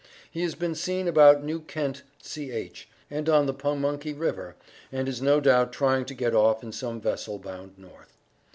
He has been seen about New Kent C.H., and on the Pamunky river, and is no doubt trying to get off in some vessel bound North.